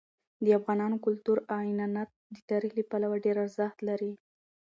د افغانانو کلتور او عنعنات د تاریخ له پلوه ډېر ارزښت لري.